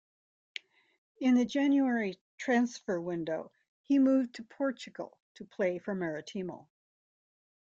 In the January transfer window he moved to Portugal to play for Maritimo.